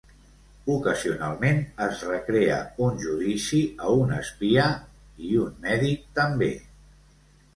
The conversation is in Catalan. Ocasionalment es recrea un judici a un espia, i un mèdic també.